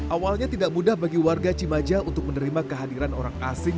awalnya tidak mudah bagi warga cimaja untuk menerima kehadiran orang asing